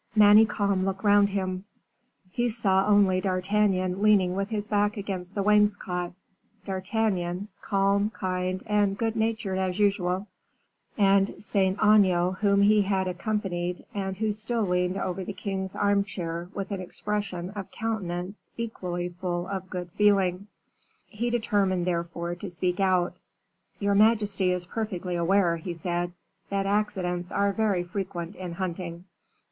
Manicamp looked round him; he saw only D'Artagnan leaning with his back against the wainscot D'Artagnan, calm, kind, and good natured as usual and Saint Aignan whom he had accompanied, and who still leaned over the king's armchair with an expression of countenance equally full of good feeling. He determined, therefore, to speak out. "Your majesty is perfectly aware," he said, "that accidents are very frequent in hunting."